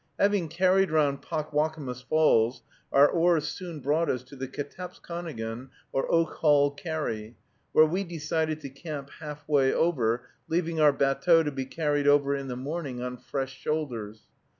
Having carried round Pockwockomus Falls, our oars soon brought us to the Katepskonegan, or Oak Hall carry, where we decided to camp half way over, leaving our batteau to be carried over in the morning on fresh shoulders.